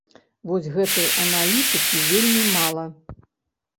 Вось гэтай аналітыкі вельмі мала.